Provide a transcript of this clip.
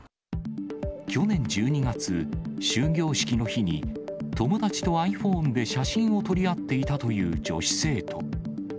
去年１２月、終業式の日に友達とｉＰｈｏｎｅで写真を撮り合っていたという女子生徒。